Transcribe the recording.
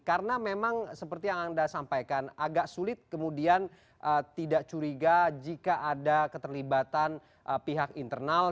karena memang seperti yang anda sampaikan agak sulit kemudian tidak curiga jika ada keterlibatan pihak internal